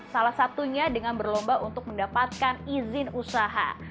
salah satunya dengan berlomba untuk mendapatkan izin usaha